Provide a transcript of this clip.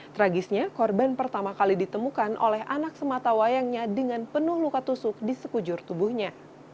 tragisnya korban pertama kali ditemukan oleh anak sematawayangnya dengan penuh luka tusuk di sekujur tubuhnya